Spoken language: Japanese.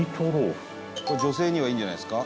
伊達：女性にはいいんじゃないんですか？